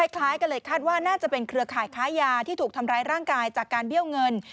คล้ายกันเลยคาดว่าน่าจะเป็นเครือข่ายค้ายาที่ถูกทำร้ายร่างกายจากการเบี้ยวเงิน